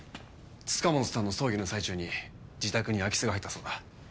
塚本さんの葬儀の最中に自宅に空き巣が入ったそうだ。